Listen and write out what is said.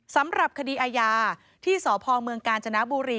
สำหรับคดีอาญาที่สพเมืองกาญจนบุรี